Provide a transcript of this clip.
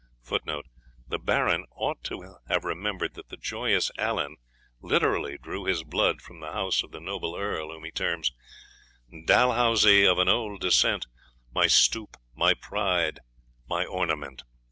[Footnote: The Baron ought to have remembered that the joyous Allan literally drew his blood from the house of the noble earl whom he terms Dalhousie of an old descent My stoup, my pride, my ornament.